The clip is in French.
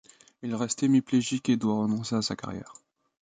Il reste hémiplégique et doit renoncer à sa carrière.